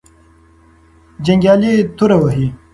جنګیالي توره وهې.